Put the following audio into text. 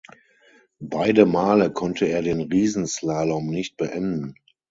Beide Male konnte er den Riesenslalom nicht beenden.